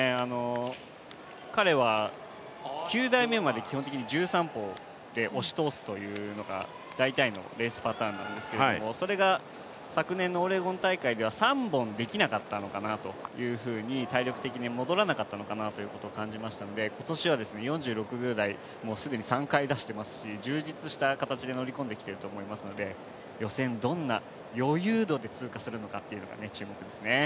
彼は９台目まで基本的に１３歩で押し通すというのがだいたいのレースパターンなんですけど、それが昨年のオレゴン大会では３本できなかったのかなというふうに、体力的に戻らなかったということを感じましたので、今年は４６台、もう既に３回出していますし、充実した形で乗り込んできていると思いますので予選、どんな余裕度で通過するかが注目ですね。